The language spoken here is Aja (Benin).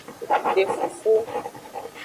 De fufu.